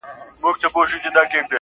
ځكه د كلي مشر ژوند د خواركي ورانوي~